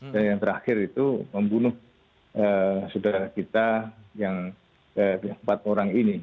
dan yang terakhir itu membunuh saudara kita yang empat orang ini